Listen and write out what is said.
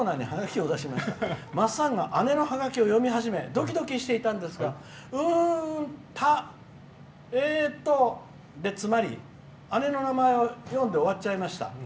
「まっさんが姉のハガキを読み始めドキドキしていたんですがうーん、えっとで詰まり姉の名前を読んで終わりました。